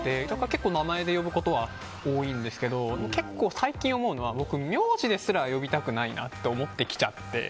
結構名前で呼ぶことは多いんですけど結構、最近思うのは僕、名字ですら呼びたくないなと思ってきちゃって。